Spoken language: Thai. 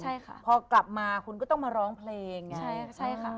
ใช่ค่ะพอกลับมาคุณก็ต้องมาร้องเพลงไงใช่ใช่ค่ะ